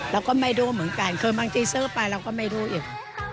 เราก็ไม่รู้เหมือนกันคือบางทีซื้อไปเราก็ไม่รู้อีก